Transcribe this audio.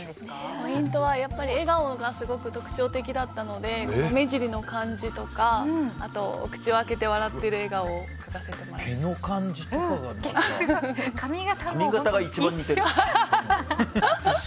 ポイントは笑顔がすごく特徴的だったので目尻の感じとかあと、お口を開けて笑っている毛の感じとかがすごい。一緒！